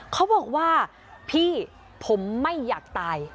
เขาบอกว่าพี่ผมไม่อยากตาย